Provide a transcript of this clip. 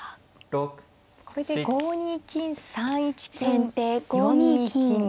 これで５二金３一金４二金。